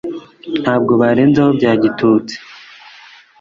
nabwo barenzaho bya gitutsi